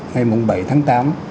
ngày bảy tháng tám